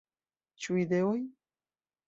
Ĉu ideoj?